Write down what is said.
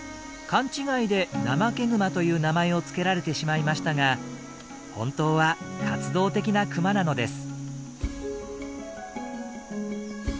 勘違いでナマケグマという名前を付けられてしまいましたが本当は活動的なクマなのです。